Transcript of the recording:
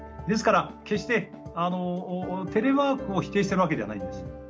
ですから決してテレワークを否定してるわけではないんです。